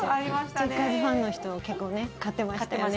チェッカーズファンの人結構買ってましたよね。